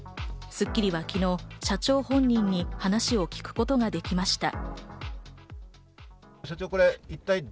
『スッキリ』は昨日、社長本人に話を聞くことができました。